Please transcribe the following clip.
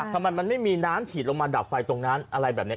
ทำไมมันไม่มีน้ำฉีดลงมาดับไฟตรงนั้นอะไรแบบนี้